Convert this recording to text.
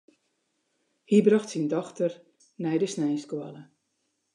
Hy brocht syn dochter nei de sneinsskoalle.